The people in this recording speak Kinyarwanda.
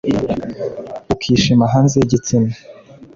ukishima hanze y’igitsina